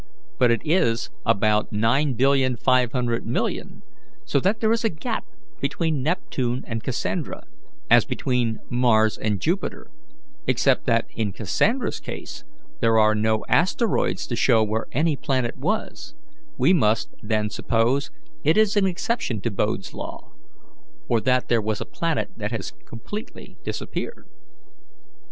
But it is about 9,500,000,000, so that there is a gap between Neptune and Cassandra, as between Mars and Jupiter, except that in Cassandra's case there are no asteroids to show where any planet was; we must, then, suppose it is an exception to Bode's law, or that there was a planet that has completely disappeared.